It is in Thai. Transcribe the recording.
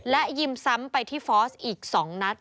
และยิมซ้ำไปที่ฟอร์สอีก๒นัด